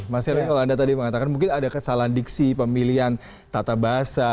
mas erwin kalau anda tadi mengatakan mungkin ada kesalahan diksi pemilihan tata bahasa